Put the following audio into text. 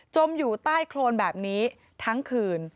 มอยู่ใต้โครนแบบนี้ทั้งคืน